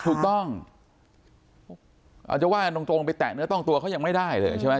ถูกต้องอาจจะว่ากันตรงไปแตะเนื้อต้องตัวเขายังไม่ได้เลยใช่ไหม